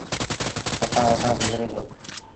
اسآݩ وٽآ گزري دو۔